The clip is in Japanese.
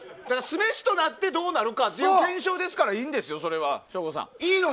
酢飯となってどうなるかという検証ですからいいんですよ、それは省吾さん。